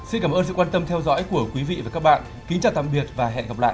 xin cảm ơn sự quan tâm theo dõi của quý vị và các bạn kính chào tạm biệt và hẹn gặp lại